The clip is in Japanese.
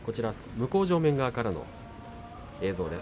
向正面側からの映像です。